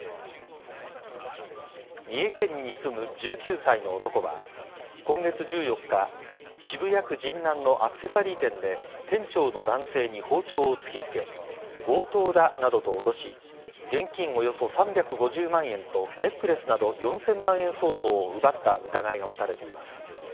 三重県に住む１９歳の男は今月１４日渋谷区神南のアクセサリー店で店長の男性に包丁を突きつけ強盗だなどと脅し現金およそ３５０万円とネックレスなど４０００万円相当を奪った疑いが持たれています。